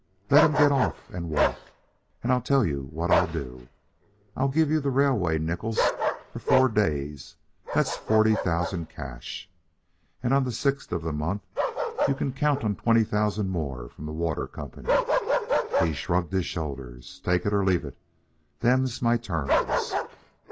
Let him get off and walk, and I'll tell you what I'll do. I'll give you the railway nickels for four days that's forty thousand cash. And on the sixth of the month you can count on twenty thousand more from the Water Company." He shrugged his shoulders. "Take it or leave it. Them's my terms."